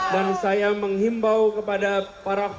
dan saya menghimbau kepada para khotbah